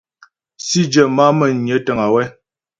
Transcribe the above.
Sǐdyə má'a Mə́nyə təŋ wɛ́.